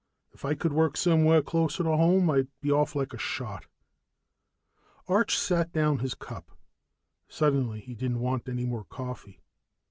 If I could work somewhere closer to home, I'd be off like a shot." Arch set down his cup. Suddenly he didn't want any more coffee.